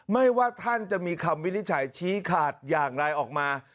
ว่าท่านจะมีคำวินิจฉัยชี้ขาดอย่างไรออกมา